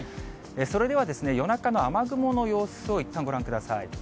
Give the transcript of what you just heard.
それでは夜中の雨雲の様子をいったんご覧ください。